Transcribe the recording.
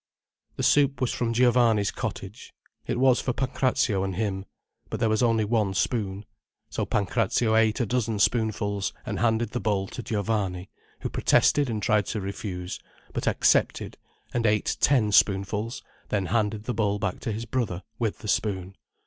The soup was from Giovanni's cottage. It was for Pancrazio and him. But there was only one spoon. So Pancrazio ate a dozen spoonfuls, and handed the bowl to Giovanni—who protested and tried to refuse—but accepted, and ate ten spoonfuls, then handed the bowl back to his brother, with the spoon.